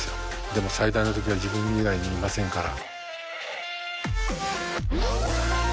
でも最大の敵は自分以外にいませんから。